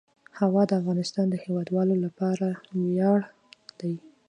هوا د افغانستان د هیوادوالو لپاره ویاړ دی.